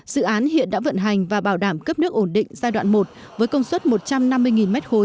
dự án hiện đã vận hành và bảo đảm cấp nước ổn định giai đoạn một với công suất một trăm năm mươi m ba